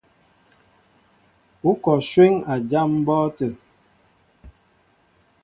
Ú kɔ shwéŋ a jám mbɔ́ɔ́tə̂.